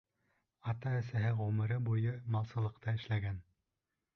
Ата-әсәһе ғүмере буйы малсылыҡта эшләгән.